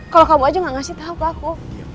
kalau kamu aja gak ngasih tau ke aku